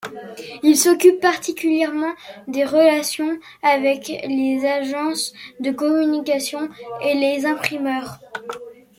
Il s'occupe particulièrement des relations avec les agences de communication et les imprimeurs.